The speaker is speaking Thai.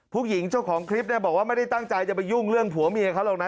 ผู้หญิงเจ้าของคลิปเนี่ยบอกว่าไม่ได้ตั้งใจจะไปยุ่งเรื่องผัวเมียเขาหรอกนะ